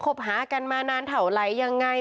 บหากันมานานเท่าไหร่ยังไง